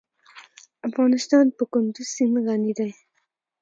افغانستان په کندز سیند غني دی.